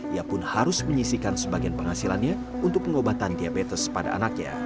ia pun harus menyisikan sebagian penghasilannya untuk pengobatan diabetes pada anaknya